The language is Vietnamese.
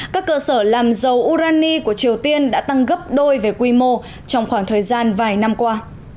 các cơ sở làm dầu urani của triều tiên đã tăng gấp đôi về quy mô trong khoảng thời gian vài năm qua